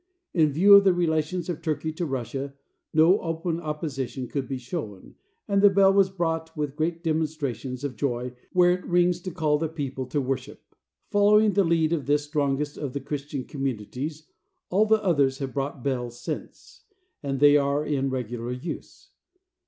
In view of the relations of Turkey to Russia, no open opposition could be shown, and the bell was brought with great demonstrations of joy and put in its place where it rings to call the people to worship. Following the lead of this strongest of the Christian communities, all the others have brought bells since, and they are in regular use.